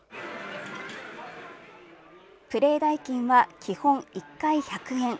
プレー代金は基本１回、１００円。